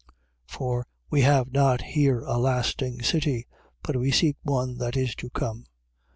For, we have not here a lasting city: but we seek one that is to come.